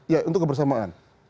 ya untuk kebersamaan